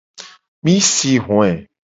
Mi si hoe.